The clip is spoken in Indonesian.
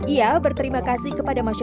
ia berterima kasih kepada barat dae